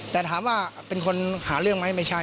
แต่ถามว่าเป็นคนหาเรื่องไหมไม่ใช่